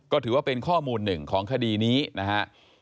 ก็ถือว่าเป็นข้อมูลหนึ่งของคดีนี้นะครับ